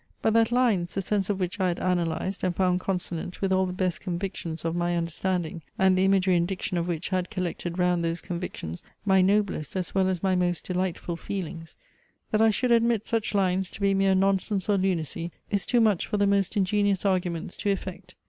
But that lines, the sense of which I had analysed and found consonant with all the best convictions of my understanding; and the imagery and diction of which had collected round those convictions my noblest as well as my most delightful feelings; that I should admit such lines to be mere nonsense or lunacy, is too much for the most ingenious arguments to effect.